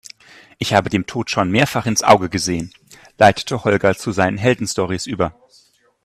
"Ich habe dem Tod schon mehrfach ins Auge gesehen", leitete Holger zu seinen Heldenstorys über.